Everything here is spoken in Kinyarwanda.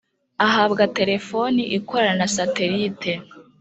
ahabwa telefoni ikorana na satelite